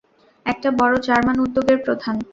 একটা বড় জার্মান উদ্যোগের প্রধান।